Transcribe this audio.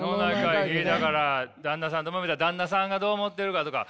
だから旦那さんともめたら旦那さんがどう思ってるかとか。